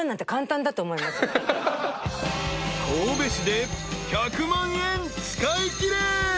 ［神戸市で１００万円使いきれ］